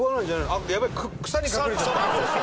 あっやべえ草に隠れちゃった。